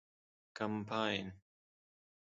کمپاین